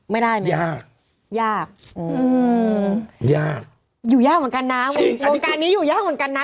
ไม่ได้ไหมยากยากอืมยากอยู่ยากเหมือนกันนะโครงการนี้อยู่ยากเหมือนกันนะ